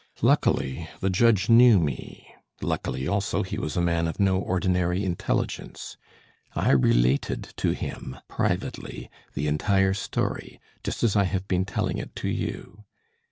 Luckily the judge knew me; luckily also, he was a man of no ordinary intelligence. I related to him privately the entire story, just as I have been telling it to you.